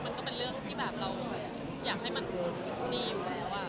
มันก็เป็นเรื่องที่แบบเราอยากให้มันดีอยู่แล้ว